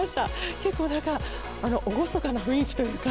結構なんか、厳かな雰囲気というか。